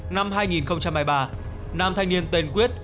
năm hai nghìn hai mươi ba nam thanh niên tên quyết